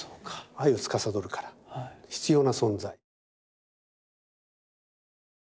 愛をつかさどるから必要な存在。